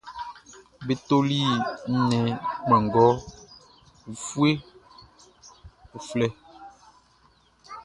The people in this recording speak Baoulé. Be toli nnɛn kpanngɔ ufue uflɛ.